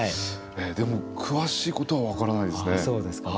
でも詳しいことは分からないですね。